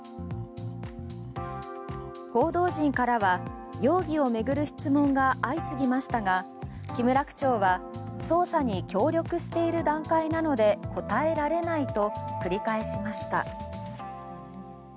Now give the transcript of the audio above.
報道陣からは容疑を巡る質問が相次ぎましたが木村区長は捜査に協力している段階なので答えられないと繰り返しました。